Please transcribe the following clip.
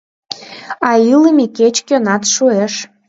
А илыме кеч-кӧнат шуэш.